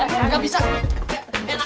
amlus dah amlus dah